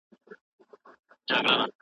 په ټولۍ کي به د زرکو واویلا وه